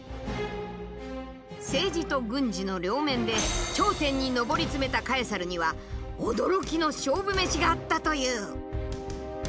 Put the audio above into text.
政治と軍事の両面で頂点に上り詰めたカエサルには驚きの勝負メシがあったという。